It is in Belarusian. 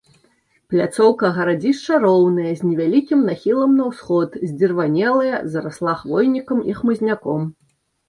Пляцоўка гарадзішча роўная, з невялікім нахілам на ўсход, здзірванелая, зарасла хвойнікам і хмызняком.